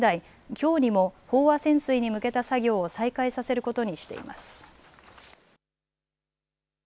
きょうにも飽和潜水に向けた作業を再開させることにしています。